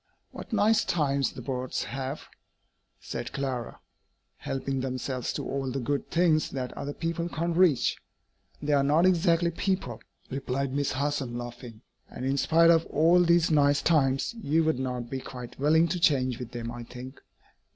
"What nice times the birds have," said Clara, "helping themselves to all the good things that other people can't reach!" "They are not exactly 'people,'" replied Miss Harson, laughing; "and, in spite of all these 'nice times,' you would not be quite willing to change with them, I think."